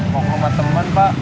mau sama temen pak